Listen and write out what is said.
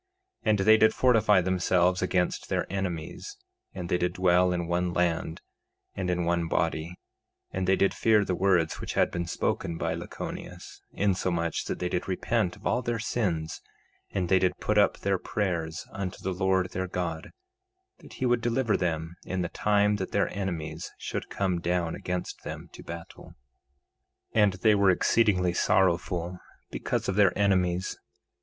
3:25 And they did fortify themselves against their enemies; and they did dwell in one land, and in one body, and they did fear the words which had been spoken by Lachoneus, insomuch that they did repent of all their sins; and they did put up their prayers unto the Lord their God, that he would deliver them in the time that their enemies should come down against them to battle. 3:26 And they were exceedingly sorrowful because of their enemies.